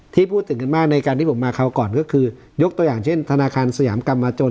ที่พูดถึงกันมากในการที่ผมมาคราวก่อนก็คือยกตัวอย่างเช่นธนาคารสยามกรรมมาจน